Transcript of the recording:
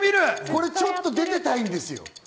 これちょっと出てたいんですよ。